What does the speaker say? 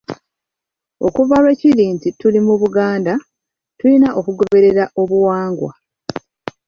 "Okuva lwe kiri nti tuli mu Buganda, tulina okugoberera obuwangwa."